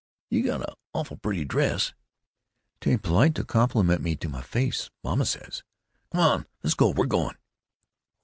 You got a' awful pertty dress." "'Tain't polite to compliment me to my face. Mamma says——" "Come on! Let's go! We're going!"